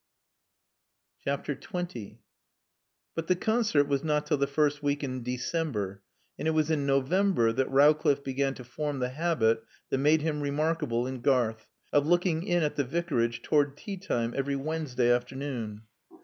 XX But the concert was not till the first week in December; and it was in November that Rowcliffe began to form the habit that made him remarkable in Garth, of looking in at the Vicarage toward teatime every Wednesday afternoon.